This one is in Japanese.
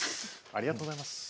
ありがとうございます。